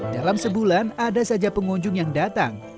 dalam sebulan ada saja pengunjung yang datang